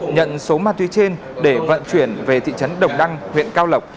nhận số ma túy trên để vận chuyển về thị trấn đồng đăng huyện cao lộc